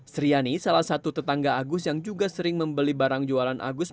sriani salah satu tetangga agus yang juga sering membeli barang jualan agus